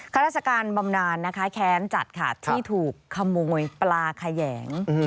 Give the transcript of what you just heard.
ข้าราชการบำนานนะคะแค้นจัดค่ะที่ถูกขโมยปลาแขยง